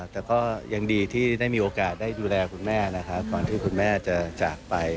แต่ก็ยังดีที่ได้มีโอกาสได้ดูแลคุณแม่นะครับก่อนที่คุณแม่จะจากไป